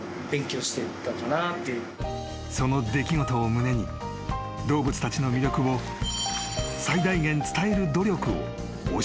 ［その出来事を胸に動物たちの魅力を最大限伝える努力を惜しまなくなった］